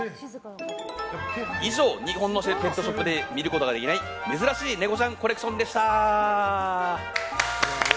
以上、日本のペットショップで見ることができない珍しいネコちゃんコレクションでした。